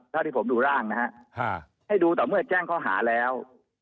เท่าที่ผมดูร่างนะครับให้ดูต่อเมื่อแจ้งเขาหาแล้ว